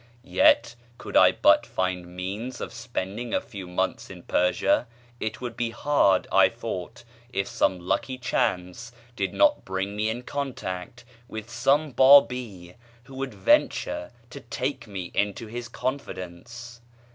Yet, could I but find means of spending a few months in Persia, it would be hard, I thought, if some lucky chance did not bring me in contact with some Bábí who would venture to take me into his confidence.